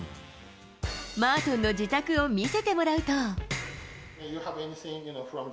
マートンの自宅を見せてもらうと。